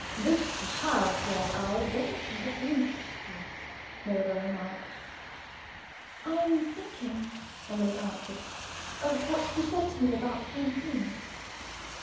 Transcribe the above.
"This child's play of ours doesn't seem to interest you," Mirabel remarked. "I am thinking," Emily answered, "of what you said to me about Francine."